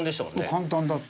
簡単だった。